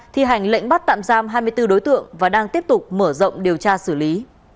thi hành lệnh bắt tạm giam hai mươi bốn đối tượng và đang tiếp tục mở rộng điều tra xử lý